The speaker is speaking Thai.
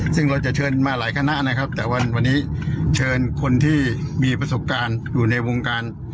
ซึ่งเราจะเชิญมาหลายคณะนะครับแต่วันนี้เชิญคนที่มีประสบการณ์อยู่ในวงการ